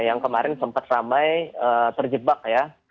yang kemarin sempat ramai terjebak ya